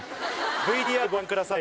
ＶＴＲご覧ください。